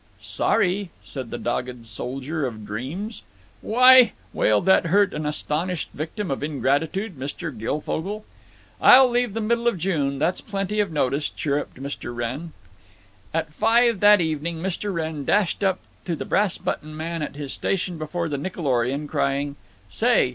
"Sorry," said the dogged soldier of dreams. "Why—" wailed that hurt and astonished victim of ingratitude, Mr. Guilfogle. "I'll leave the middle of June. That's plenty of notice," chirruped Mr. Wrenn. At five that evening Mr. Wrenn dashed up to the Brass button Man at his station before the Nickelorion, crying: "Say!